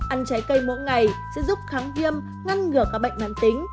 ăn trái cây mỗi ngày sẽ giúp khám viêm ngăn ngừa các bệnh mạng tính